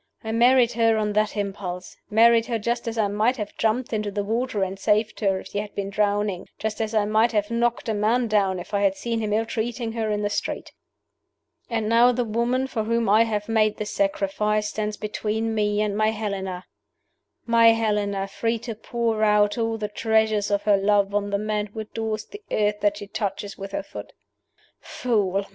I married her on that impulse married her just as I might have jumped into the water and saved her if she had been drowning; just as I might have knocked a man down if I had seen him ill treating her in the street! "And now the woman for whom I have made this sacrifice stands between me and my Helena my Helena, free to pour out all the treasures of her love on the man who adores the earth that she touches with her foot! "Fool!